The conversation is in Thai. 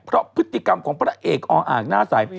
เพราะพฤติกรรมของพระเอกออ่างหน้าใส